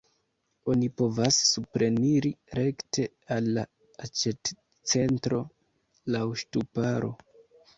Oni povas supreniri rekte al la aĉetcentro laŭ ŝtuparo.